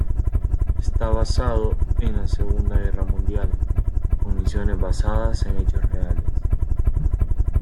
Está basado en la segunda guerra mundial, con misiones basadas en hechos reales.